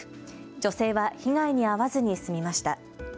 女性は被害に遭わずに済みました。